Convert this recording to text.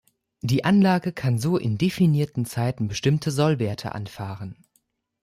Die Anlage kann so in definierten Zeiten bestimmte Sollwerte anfahren.